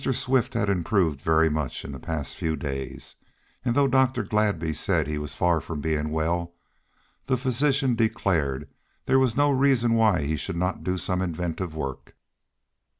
Swift had improved very much in the past few days, and though Dr. Gladby said he was far from being well, the physician declared there was no reason why he should not do some inventive work.